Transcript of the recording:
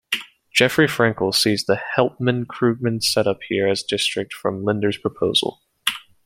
Jeffrey Frankel sees the Helpman-Krugman setup here as distinct from Linder's proposal.